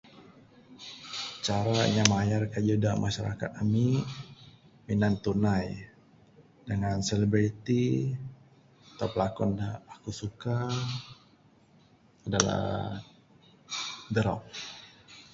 Cara inya mayar kayuh da masyarakat ami, minan tunai, dangan selebih ti tok bilakon ne aku suka adalah da rock.